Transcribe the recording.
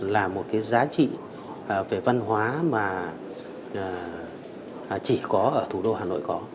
là một cái giá trị về văn hóa mà chỉ có ở thủ đô hà nội có